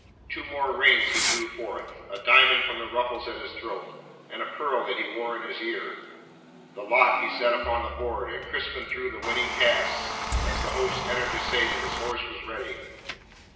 Two more rings he drew forth, a diamond from the ruffles at his throat, and a pearl that he wore in his ear. The lot he set upon the board, and Crispin threw the winning cast as the host entered to say that his horse was ready.